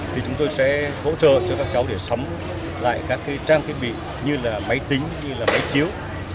thì chúng tôi sẽ hỗ trợ cho các cháu để sắm lại các trang thiết bị như là máy tính như là máy chiếu